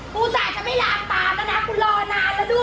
กูแสดงจะไม่ร้ามตามเลยนะกูรอนานแล้วด้วย